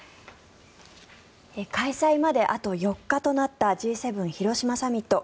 開催まであと４日となったＧ７広島サミット。